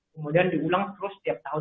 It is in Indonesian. kemudian diulang terus setiap tahun